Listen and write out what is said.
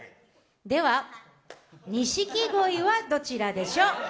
では、錦鯉はどちらでしょう？